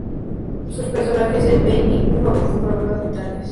Su personajes es Baby, un joven con problemas mentales.